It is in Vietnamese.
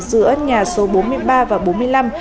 giữa nhà và nhà tù